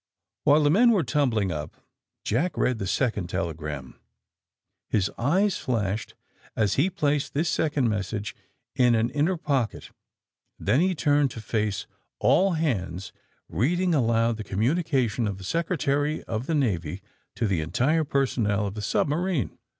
While the men were tumbling up Jack read the second telegram. His eyes flashed as he placed this second message in an inner pocket. Then he turned to face all hands, reading aloud the communication of the Secretary of the Navy to the entire personnel of the submarine.